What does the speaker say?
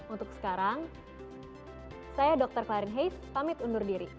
untuk sekarang saya dr klarin heis pamit undur diri